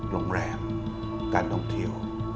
โรงแรมการท่องเที่ยว